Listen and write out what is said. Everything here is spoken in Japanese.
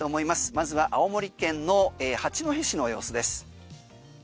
まずは青森県の八戸市の様子です。